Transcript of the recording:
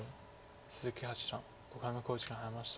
鈴木八段５回目の考慮時間に入りました。